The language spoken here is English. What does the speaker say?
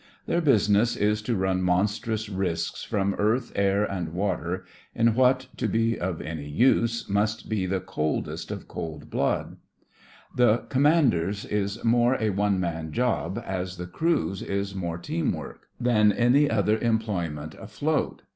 Their business is to run monstrous risks from earth, air, and water, in what, to be of any use, must be the coldest of cold blood. The commander's is more a one man job, as the crew's is more team 89 40 THE FRINGES OF THE FLEET work, than any other employment afloat.